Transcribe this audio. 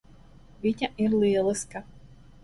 Viņa ir lieliska.